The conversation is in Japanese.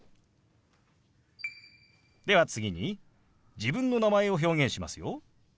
では次に自分の名前を表現しますよ。